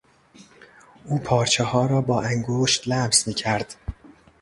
او پارچهها را با انگشت لمس میکرد.